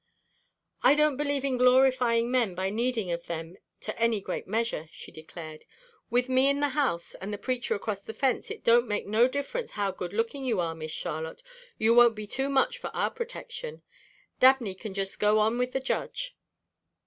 "I don't believe in glorifying men by needing of them to any great measure," she declared. "With me in the house and the preacher across the fence it don't make no difference how good looking you are, Miss Charlotte, you won't be too much for our protection. Dabney can jest go on with the jedge."